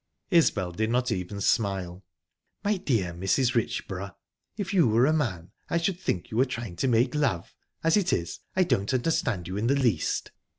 Isbel did not even smile. "My dear Mrs. Richborough, If you were a man I should think you were trying to make love. As it is, I don't understand you in the least."